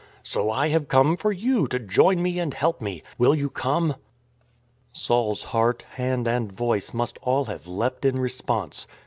So I have come for you to join me and help me. Will you come? " Saul's heart, hand and voice must all have leapt in response.